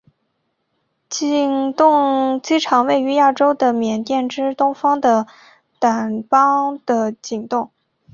景栋机场位于亚洲的缅甸之东方的掸邦的景栋。